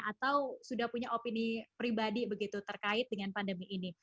atau sudah punya opini pribadi begitu terkait dengan pandemi ini